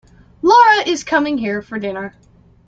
Lara is coming here for dinner.